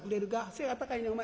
背が高いねんお前。